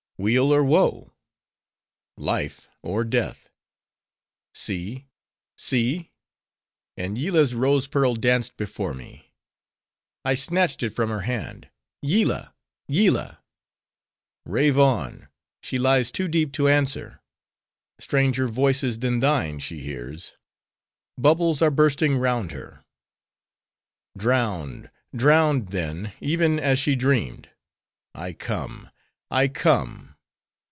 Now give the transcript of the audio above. "Weal or woe?" "Life or death!" "See, see!" and Yillah's rose pearl danced before me. I snatched it from her hand:—"Yillah! Yillah!" "Rave on: she lies too deep to answer; stranger voices than thine she hears:—bubbles are bursting round her." "Drowned! drowned then, even as she dreamed:—I come, I come!